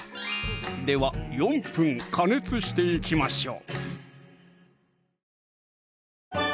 では４分加熱していきましょう！